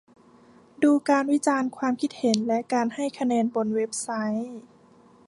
ดูการวิจารณ์ ความคิดเห็น และการให้คะแนนบนเว็บไซต์